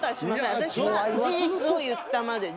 私は事実を言ったまでで。